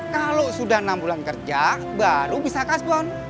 kalau sudah enam bulan kerja baru bisa cashbown